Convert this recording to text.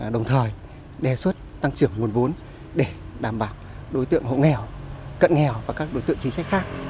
đồng thời đề xuất tăng trưởng nguồn vốn để đảm bảo đối tượng hộ nghèo cận nghèo và các đối tượng chính sách khác